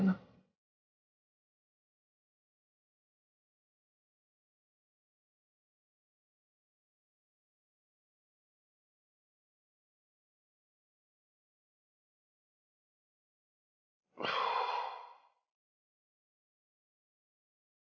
sampai jumpa ya